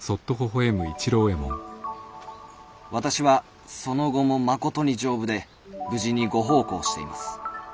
「私はその後もまことに丈夫で無事にご奉公しています」。